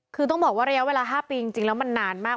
คือต้องบอกว่าระยะเวลา๕ปีจริงแล้วมันนานมาก